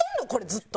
ずっと。